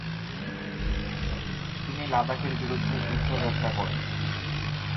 তিনি লাদাখের বিরুদ্ধে যুদ্ধযাত্রা করেন।